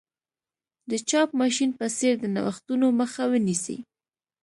د چاپ ماشین په څېر د نوښتونو مخه ونیسي.